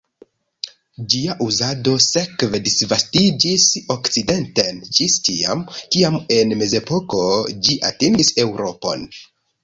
Ĝia uzado sekve disvastiĝis okcidenten ĝis tiam, kiam en Mezepoko ĝi atingis Eŭropon.